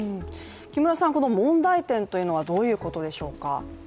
木村さん、問題点というのは、どういうことでしょうか？